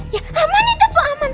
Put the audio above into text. ya aman itu aman